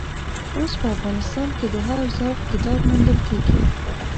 اوس په افغانستان کې د هر ذوق کتاب موندل کېږي.